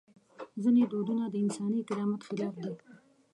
ځینې دودونه د انساني کرامت خلاف دي.